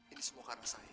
ini semua karena saya